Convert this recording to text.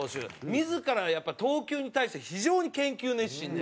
自らがやっぱ投球に対して非常に研究熱心で。